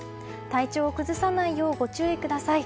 体調を崩さないようにご注意ください。